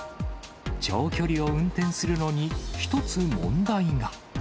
長距離を運転するのに、一つ問題が。